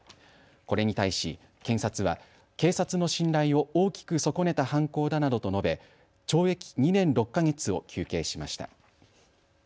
これに対し、検察は警察の信頼を大きく損ねた犯行だなどと述べ懲役２年６か月を求刑しました。